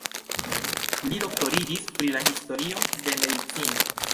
Li doktoriĝis pri la historio de medicino.